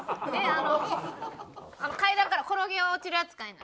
あの階段から転げ落ちるやつかいな？